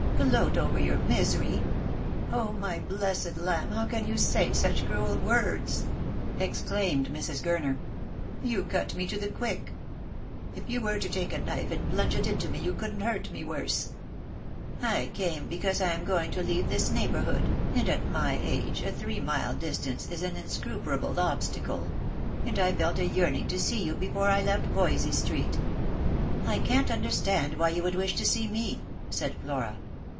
" Gloat over your misery ! my blessed lamb, how can you say such cruel words P " exclaimed Mrs. Gurner. " You cut me to the quick. If you were to take a knife and plunge it into me, you couldn't hurt me worse. I came because I am going to leave this neighbourhood, and at my age a three mile distance is an inscruperable obstacle ; and I felt a yearning to see you before I left Voysey street." " I can't understand why you should wish to see me," said Flora.